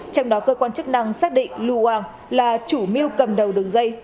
trong đó cơ quan chức năng xác định luang là chủ mưu cầm đầu đường dây